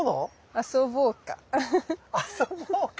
遊ぼうか。